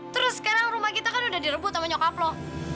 terus sekarang rumah kita kan udah direbut sama nyokaplo